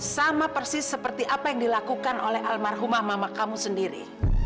sama persis seperti apa yang dilakukan oleh almarhumah mama kamu sendiri